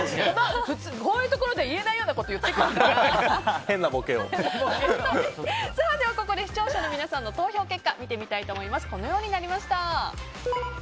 こういうところで言えないようなことではここで視聴者の皆さんの投票結果はこのようになりました。